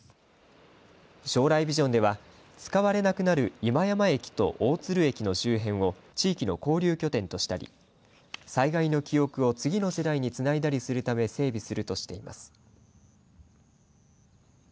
将来ビジョンでは使われなくなる今山駅と大鶴駅の周辺を地域の交流拠点としたり災害の記憶を次の世代につないだりするため整備するとしています。